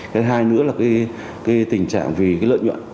cái hai nữa là cái tình trạng vì cái lợi nhuận